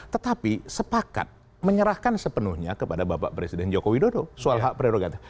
tetapi sepakat menyerahkan sepenuhnya kepada bapak presiden joko widodo soal hak prerogatif